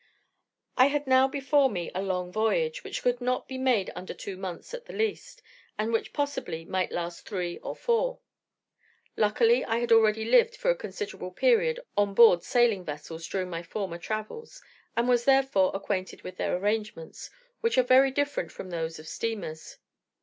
I had now before me a long voyage, which could not be made under two months at the least, and which, possibly, might last three or four. Luckily I had already lived for a considerable period on board sailing vessels during my former travels, and was therefore acquainted with their arrangements, which are very different from those of steamers.